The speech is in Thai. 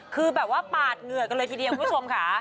คือแบบว่าปาดเหงื่อกันเลยทีเดียวคุณผู้ชมค่ะ